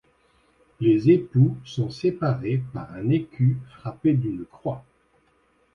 Le époux sont séparés par un écu frappé d'une croix.